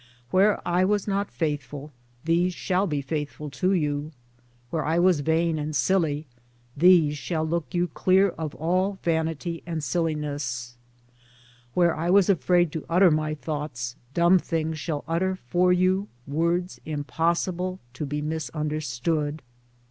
Where I was not faithful these shall be faithful to you ; where I was vain and silly these shall look you clear of all vanity and silliness ; where I was afraid to utter my thoughts dumb things shall utter for you words impossible to be misunderstood.